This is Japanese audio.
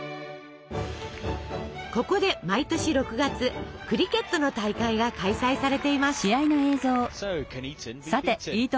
ここで毎年６月クリケットの大会が開催されています。